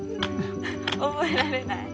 覚えられない？